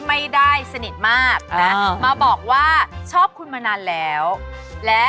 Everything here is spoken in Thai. อันนี้ไม่เป็นปัญหา